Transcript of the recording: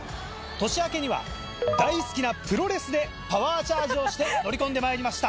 年明けには大好きなプロレスでパワーチャージをして乗り込んでまいりました